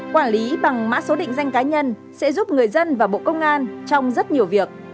quản lý bằng mã số định danh cá nhân sẽ giúp người dân và bộ công an trong rất nhiều việc